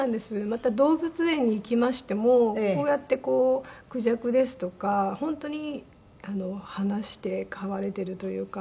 また動物園に行きましてもこうやってクジャクですとか本当に放して飼われているというか。